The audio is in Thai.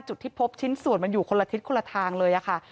จุดที่พบชิ้นส่วนมันอยู่คนละทิศคนละทางเลยค่ะ